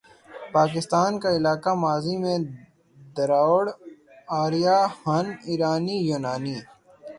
پاکستان کا علاقہ ماضی میں دراوڑ، آریا، ہن، ایرانی، یونانی،